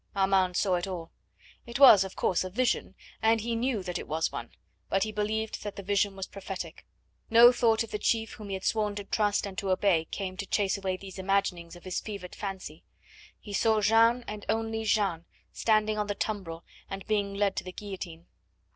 Armand saw it all. It was, of course, a vision, and he knew that it was one, but he believed that the vision was prophetic. No thought of the chief whom he had sworn to trust and to obey came to chase away these imaginings of his fevered fancy. He saw Jeanne, and only Jeanne, standing on the tumbril and being led to the guillotine.